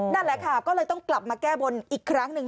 นั่นแหละค่ะก็เลยต้องกลับมาแก้บนอีกครั้งหนึ่ง